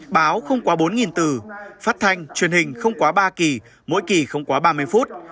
báo không quá bốn từ phát thanh truyền hình không quá ba kỳ mỗi kỳ không quá ba mươi phút